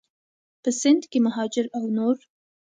په سند کې مهاجر او نور